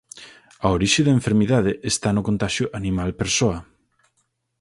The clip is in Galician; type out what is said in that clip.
A orixe da enfermidade está no contaxio animal persoa.